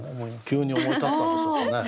急に思い立ったんでしょうかね。